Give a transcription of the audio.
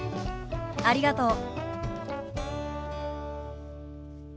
ありがとう。